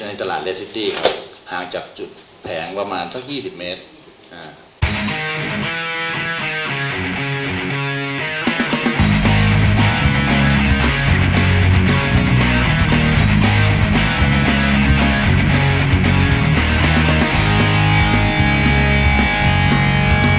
ในตลาดครับอาจจบจุดแผงประมาณซักยี่สิบเมตรอ่า